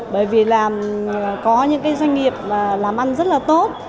bởi vì là có những doanh nghiệp làm ăn rất là tốt